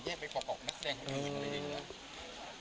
เยอะไปประกอบนักแสดงคนอื่นเลยนะ